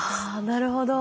なるほど。